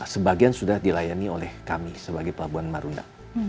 sebagian sudah dilayani oleh kami sebagai pelabuhan marunda